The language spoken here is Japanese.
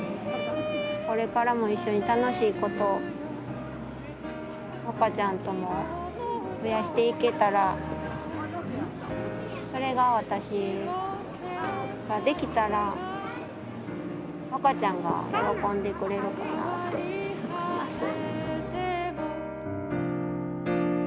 これからも一緒に楽しいこと和花ちゃんとも増やしていけたらそれが私ができたら和花ちゃんが喜んでくれるかなって思います。